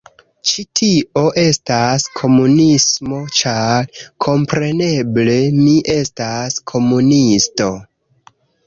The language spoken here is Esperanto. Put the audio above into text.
Ĉi tio estas komunismo ĉar, kompreneble, mi estas komunisto